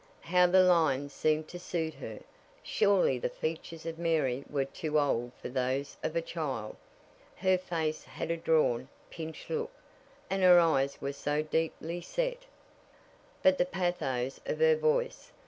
How the lines seemed to suit her! Surely the features of Mary were too old for those of a child. Her face had a drawn, pinched look, and her eyes were so deeply set. But the pathos of her voice!